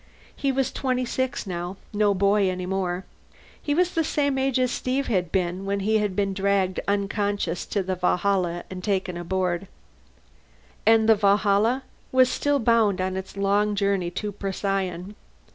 He was twenty six now, no boy any more. He was the same age Steve had been, when he had been dragged unconscious to the Valhalla and taken aboard. And the Valhalla was still bound on its long journey to Procyon.